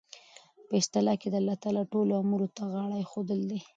په اصطلاح کښي د الله تعالی ټولو امورو ته غاړه ایښودل دي.